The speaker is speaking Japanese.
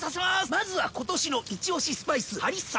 まずは今年のイチオシスパイスハリッサ！